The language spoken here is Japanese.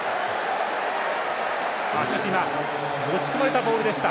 しかし今持ち込まれたボールでした。